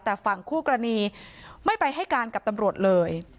แต่ฝั่งคู่กรณีไม่ไปให้การกับตำรวจเลย